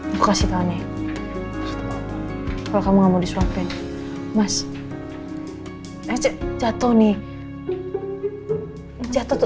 makasih puanyi kalau kamu kamu disuapin mas jatuh nih jatuh